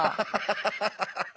ハハハハッ！